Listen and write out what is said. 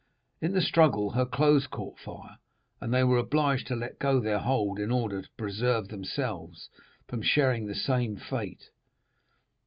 In the struggle her clothes caught fire, and they were obliged to let go their hold in order to preserve themselves from sharing the same fate.